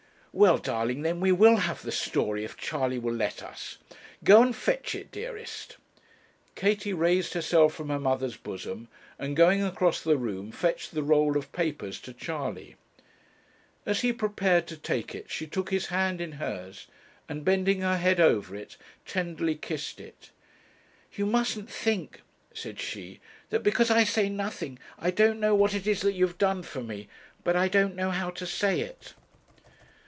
'Well, darling, then we will have the story, if Charley will let us. Go and fetch it, dearest.' Katie raised herself from her mother's bosom, and, going across the room, fetched the roll of papers to Charley. As he prepared to take it she took his hand in hers, and, bending her head over it, tenderly kissed it. 'You mustn't think,' said she, 'that because I say nothing, I don't know what it is that you've done for me; but I don't know how to say it.'